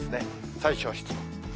最小湿度。